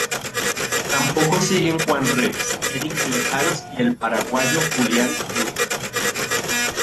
Tampoco siguen Juan Reyes, Erick Lecaros y el paraguayo Julián Lugo.